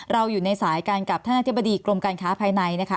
อยู่ในสายกันกับท่านอธิบดีกรมการค้าภายในนะคะ